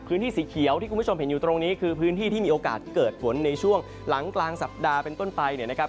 สีเขียวที่คุณผู้ชมเห็นอยู่ตรงนี้คือพื้นที่ที่มีโอกาสเกิดฝนในช่วงหลังกลางสัปดาห์เป็นต้นไปเนี่ยนะครับ